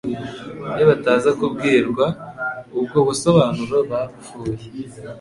iyo bataza kubwirwa ubwo busobanuro bupfuye,